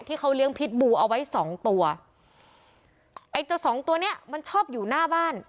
ที่เขาเลี้ยงพิษบูเอาไว้สองตัวไอ้เจ้าสองตัวเนี้ยมันชอบอยู่หน้าบ้าน